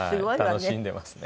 楽しんでいますね。